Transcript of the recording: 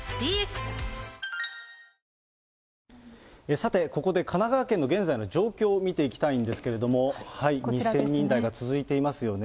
さて、ここで神奈川県の現在の状況を見ていきたいんですけれども、２０００人台が続いていますよね。